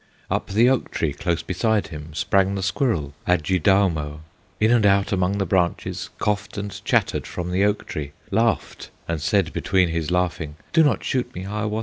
Up the oak tree, close beside him, Sprang the squirrel, Adjidaumo, In and out among the branches, Coughed and chattered from the oak tree, Laughed, and said between his laughing, "Do not shoot me, Hiawatha!"